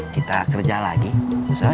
kita kerja lagi usahanya